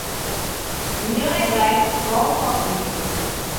ايئانئي زائين ڳام مان ڪيڌون